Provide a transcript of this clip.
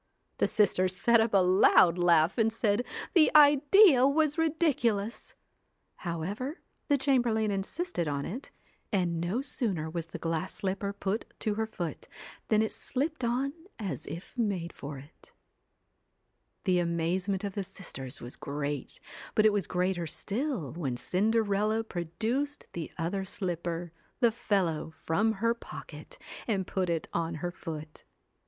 The sisters set up a loud laugh, and said the idea was ridiculous! However, the chamber lain insisted on it, and no sooner was the glass CINDER slipper put to her foot, than it slipped on as if ELLA made for it The amazement of the sisters was great, but it was greater still when Cinderella produced the other slipper the fellow from her pocket, and put it on her foot.